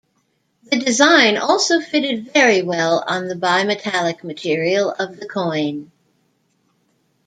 The design also fitted very well on the bimetallic material of the coin.